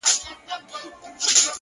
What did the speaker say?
• په میراث یې عقل وړی له خپل پلار وو,